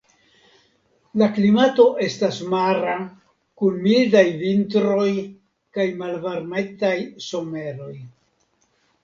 La klimato estas mara kun mildaj vintroj kaj malvarmetaj someroj.